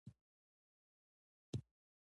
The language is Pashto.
دوه ـ درې ځلې مې د ګامونو ترپا تر غوږ شوه.